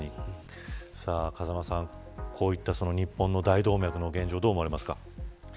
風間さん、こういった日本の大動脈の現状どう思われますか。